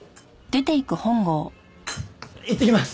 いってきます！